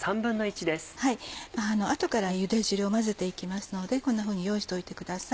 あとからゆで汁を混ぜていきますのでこんなふうに用意しておいてください。